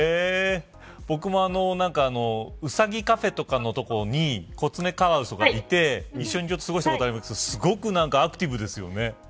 僕もうさぎカフェとかの所にコツメカワウソがいて一緒に過ごしたことありますけどすごくアクティブですよね。